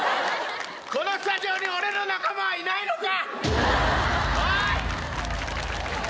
このスタジオに俺の仲間はいないのか！